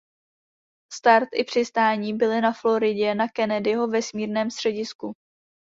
Start i přistání byly na Floridě na Kennedyho vesmírném středisku.